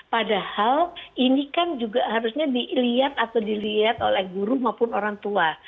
padahal ini kan juga harusnya dilihat atau dilihat oleh guru maupun orang tua